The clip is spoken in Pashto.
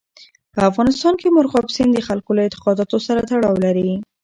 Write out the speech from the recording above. په افغانستان کې مورغاب سیند د خلکو له اعتقاداتو سره تړاو لري.